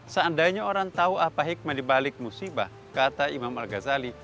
seandainya orang tahu apa hikmah dibalik musibah kata imam al ghazali